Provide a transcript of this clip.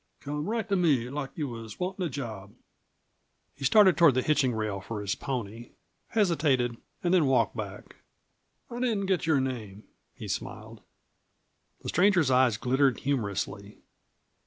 Come right to me, like you was wantin' a job." He started toward the hitching rail for his pony, hesitated and then walked back. "I didn't get your name," he smiled. The stranger's eyes glittered humorously.